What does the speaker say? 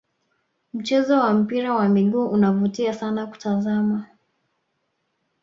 mchezo wa mpira wa miguu unavutia sana kutazama